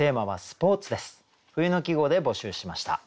冬の季語で募集しました。